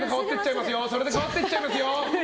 それで変わっていっちゃいますよ！